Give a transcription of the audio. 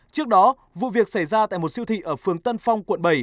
trước đó vụ việc xảy ra tại một siêu thị ở phường tân phong quận bảy